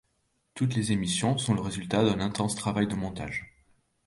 Toutes les émissions sont le résultat d'un intense travail de montage.